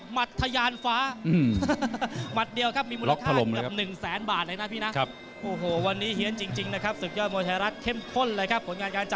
มัดทะยานฟ้า